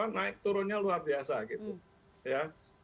naik turunnya luar biasa gitu ya